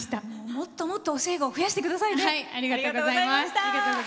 もっともっと教え子、増やしてくださいね。